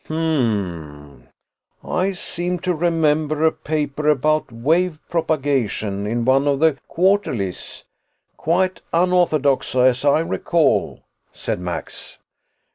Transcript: "Hm m m. I seem to remember a paper about wave propagation in one of the quarterlies. Quite unorthodox, as I recall," said Max.